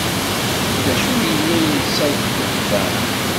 D acu ay yella yelsa-t Dan?